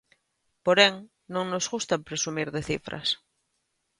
Porén, non nos gusta presumir de cifras.